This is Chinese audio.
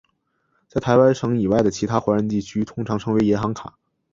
在台湾以外的其他华人地区通常称为银行卡。